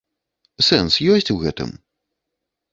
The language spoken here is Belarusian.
Сэнс ёсць у гэтым?